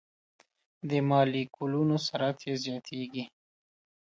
د مالیکولونو سرعت یې زیاتیږي.